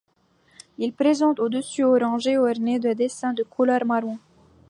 Il présente un dessus orange orné de dessins de couleur marron.